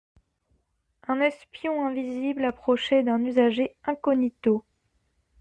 Un espion invisible approchait d'un usager incognito.